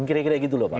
kira kira gitu loh pak